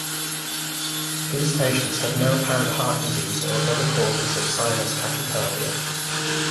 These patients have no apparent heart disease or other causes of sinus tachycardia.